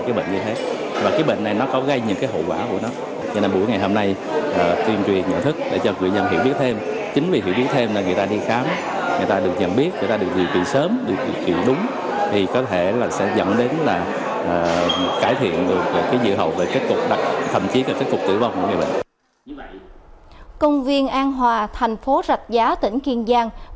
công viên an hòa thành phố rạch giá tỉnh kiên giang vừa thông báo sáu con cá sấu nặng khoảng từ một mươi đến hai mươi năm kg